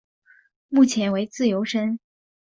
目前为自由身。